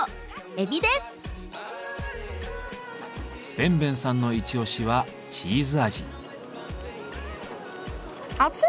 奔奔さんのイチオシはチーズ味。